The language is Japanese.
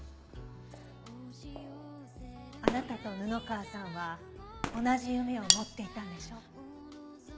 あなたと布川さんは同じ夢を持っていたんでしょ？